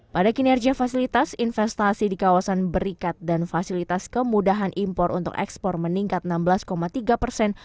pada kinerja fasilitas investasi di kawasan berikat dan fasilitas kemudahan impor untuk ekspor meningkat enam belas tiga persen